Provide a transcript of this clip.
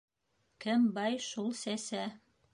Кем бай, шул сәсә.